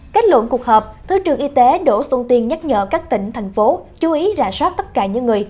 cách luận cuộc họp thứ trường y tế đỗ xuân tuyên nhắc nhở các tỉnh thành phố chú ý rã soát tất cả những người